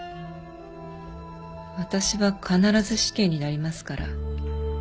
私は必ず死刑になりますから。